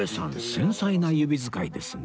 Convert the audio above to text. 繊細な指使いですね